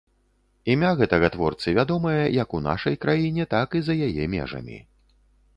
Імя гэтага творцы вядомае як у нашай краіне, так і за яе межамі.